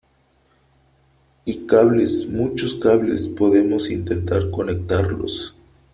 y cables , muchos cables , podemos intentar conectarlos